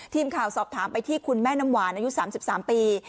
ทีมข่าวสอบถามไปที่คุณแม่น้ำหวานอายุ๓๓ปี